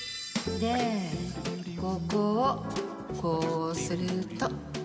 ここをこうすると。